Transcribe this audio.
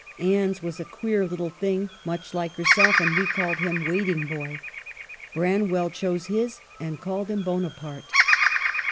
Anne's was a queer little thing, much like herself, and we called him ' Waiting boy.' Branwell chose his, and called him Bonaparte."